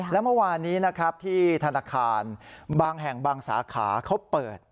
และทีนี้ที่ธนาคารบางแห่งบางศาขาจะเปิด